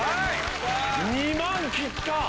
２万切った！